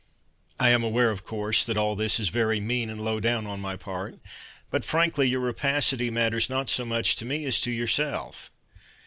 I am aware, of course, That all this is very mean And low down On my part, But frankly Your rapacity Matters not so much to me As to yourself.